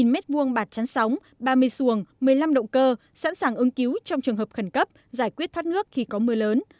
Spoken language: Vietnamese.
một mươi m hai bạt chắn sóng ba mươi xuồng một mươi năm động cơ sẵn sàng ứng cứu trong trường hợp khẩn cấp giải quyết thoát nước khi có mưa lớn